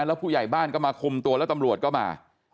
แล้วผู้ใหญ่บ้านก็มาคุมตัวแล้วตำรวจก็มา